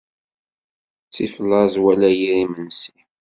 Ttif laẓ wala yir imensi.